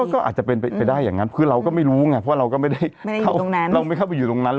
ก็อาจจะเป็นไปได้อย่างนั้นคือเราก็ไม่รู้ไงเพราะเราก็ไม่ได้เราไม่เข้าไปอยู่ตรงนั้น